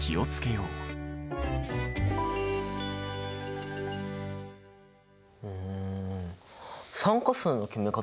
うん。